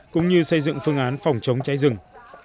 cũng như xây dựng phương án phòng chống cháy rừng